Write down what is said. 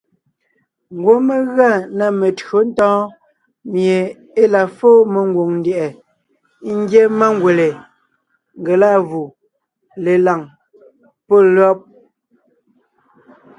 Ngwɔ́ mé gʉa na metÿǒ ntɔ̌ɔn mie e la fóo mengwòŋ ndyɛ̀ʼɛ ngyɛ́ mangwèle, ngelâvù, lelàŋ pɔ́ lÿɔ́b.